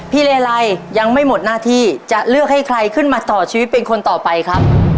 เลไลยังไม่หมดหน้าที่จะเลือกให้ใครขึ้นมาต่อชีวิตเป็นคนต่อไปครับ